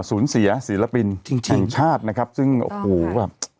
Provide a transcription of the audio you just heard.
ศูนย์เสียศิลปินจริงจริงแข่งชาตินะครับซึ่งโอ้โหแบบ